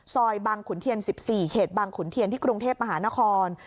บางขุนเทียน๑๔เขตบางขุนเทียนที่กรุงเทพมหานคร